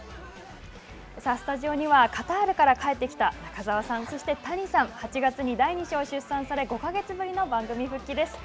スタジオには、カタールから帰ってきた中澤さん、そして谷さん８月に第２子を出産され、５か月ぶりの番組復帰です。